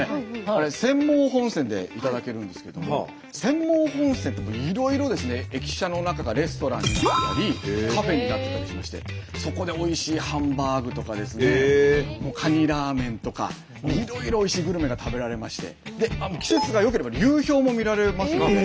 あれ釧網本線で頂けるんですけども釧網本線っていろいろ駅舎の中がレストランになってたりカフェになってたりしましてそこでおいしいハンバーグとかカニラーメンとかいろいろおいしいグルメが食べられまして季節が良ければ流氷も見られますので。